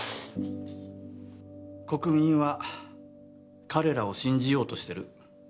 国民は彼らを信じようとしてる。